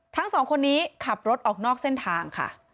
ทั้งสองคนนี้ขับรถออกนอกเส้นทางค่ะ